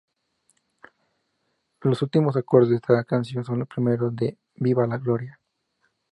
Los últimos acordes de esta canción son los primeros de "¿Viva la Gloria?